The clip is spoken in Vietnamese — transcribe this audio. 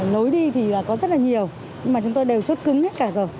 lối đi thì có rất là nhiều nhưng mà chúng tôi đều chốt cứng hết cả rồi